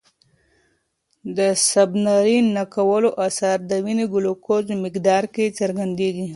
د سباناري نه کولو اثر د وینې ګلوکوز مقدار کې څرګند دی.